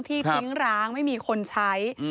ที่ทิ้งร้างไม่มีคนใช้